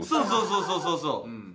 そうそうそうそう。